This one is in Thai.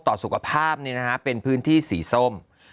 ต่อสุขภาพเป็นพื้นที่สีส้ม